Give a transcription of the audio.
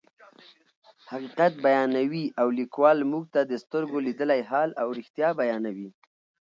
حقیقت بیانوي او لیکوال موږ ته د سترګو لیدلی حال او رښتیا بیانوي.